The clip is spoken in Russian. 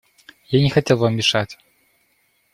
Я не хотел вам мешать.